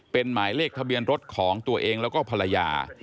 เป็นหมายเลขทะเบียนรถของตัวเองแล้วก็ภรรยา